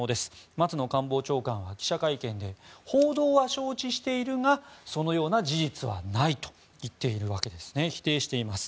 松野官房長官は記者会見で報道は承知しているがそのような事実はないと言っているわけですね。否定しています。